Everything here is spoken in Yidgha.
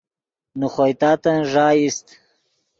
نے خوئے تاتن ݱا ایست